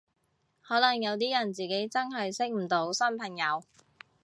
可能有啲人自己真係識唔到新朋友